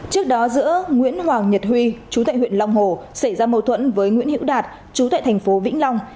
trước đó giữa nguyễn hoàng nhật huy chú tệ huyện long hồ xảy ra mâu thuẫn với nguyễn hiễu đạt chú tệ thành phố vĩnh long